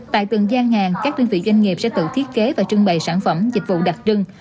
tại từng gian hàng các đơn vị doanh nghiệp sẽ tự thiết kế và trưng bày sản phẩm dịch vụ đặc trưng